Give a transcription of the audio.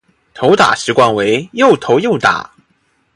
投打习惯为右投右打。